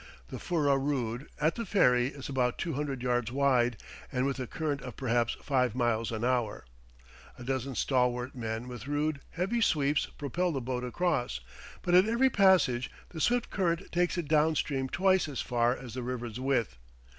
The Furrah Rood, at the ferry, is about two hundred yards wide, and with a current of perhaps five miles an hour. A dozen stalwart men with rude, heavy sweeps propel the boat across; but at every passage the swift current takes it down stream twice as far as the river's width.